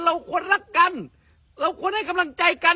เราควรรักกันเราควรให้กำลังใจกัน